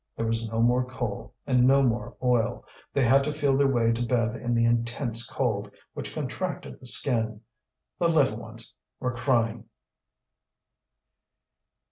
There was no more coal and no more oil; they had to feel their way to bed in the intense cold which contracted the skin. The little ones were crying.